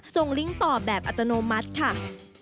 ลิงก์ต่อแบบอัตโนมัติค่ะ